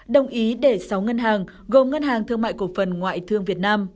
đồng ý để sáu ngân hàng gồm ngân hàng thương mại cổ phần ngoại thương việt nam